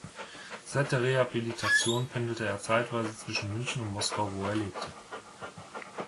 Seit der Rehabilitation pendelte er zeitweise zwischen München und Moskau, wo er wieder lebte.